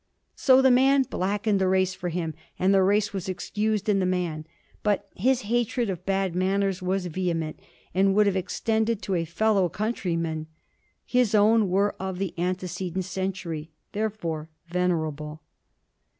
So the man blackened the race for him, and the race was excused in the man. But his hatred of bad manners was vehement, and would have extended to a fellow countryman. His own were of the antecedent century, therefore venerable.